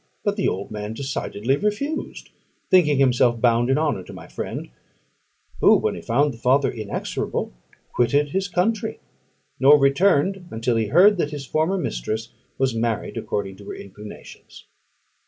But the old man decidedly refused, thinking himself bound in honour to my friend; who, when he found the father inexorable, quitted his country, nor returned until he heard that his former mistress was married according to her inclinations.